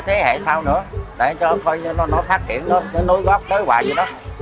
thế hệ sau nữa để cho nó phát triển nó nối góp nối hoài với nó